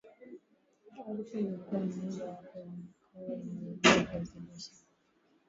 Arusha ni mkoa mmoja wapo wa mikoa inayolima viazi lishe